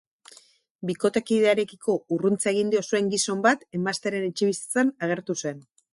Bikotekidearekiko urruntze agindua zuen gizon bat emaztearen etxebizitzan agertu zen.